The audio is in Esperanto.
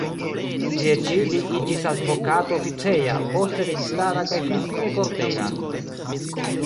Tie ĉi li iĝis advokato oficeja, poste registara kaj finfine kortega.